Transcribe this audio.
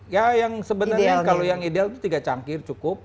ya yang sebenarnya kalau yang ideal itu tiga cangkir cukup